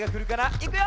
いくよ！